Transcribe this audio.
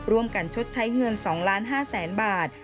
ร่วมกันชดใช้เงิน๒๕๐๐๐๐๐บาท